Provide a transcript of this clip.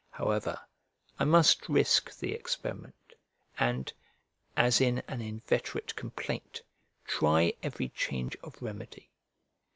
However, I must risk the experiment, and, as in an inveterate complaint, try every change of remedy.